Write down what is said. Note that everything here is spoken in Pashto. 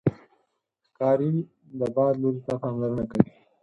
ښکاري د باد لوري ته پاملرنه کوي.